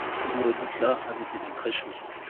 Ce mois d'août-là avait été très chaud.